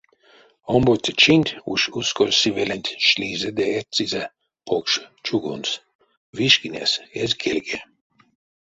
Омбоце чинть уш ускозь сывеленть шлизе ды эцизе покш чугунс — вишкинес эзь кельге.